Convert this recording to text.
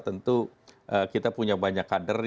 tentu kita punya banyak kader